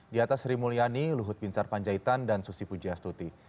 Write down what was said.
di atas rimulyani luhut pinsar panjaitan dan susi pujiastuti